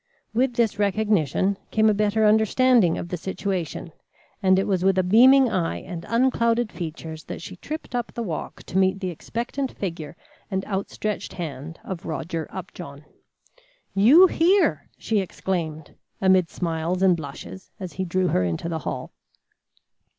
With this recognition came a better understanding of the situation, and it was with a beaming eye and unclouded features that she tripped up the walk to meet the expectant figure and outstretched hand of Roger Upjohn. "You here!" she exclaimed, amid smiles and blushes, as he drew her into the hall.